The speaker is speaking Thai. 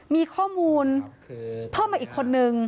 มีข้อมูลเพิ่มมาอีกคนนึง